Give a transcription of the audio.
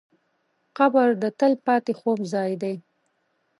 قبر د تل پاتې خوب ځای دی.